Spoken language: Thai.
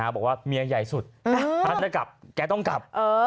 บอกว่าเมียใหญ่สุดถ้าจะกลับแกต้องกลับ